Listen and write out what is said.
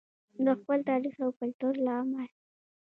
د خپل تاریخ او کلتور له امله.